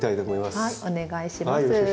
はいお願いします。